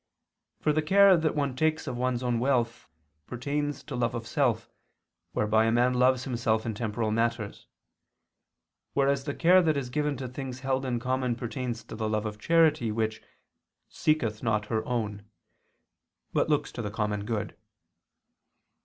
For the care that one takes of one's own wealth, pertains to love of self, whereby a man loves himself in temporal matters; whereas the care that is given to things held in common pertains to the love of charity which "seeketh not her own," but looks to the common good.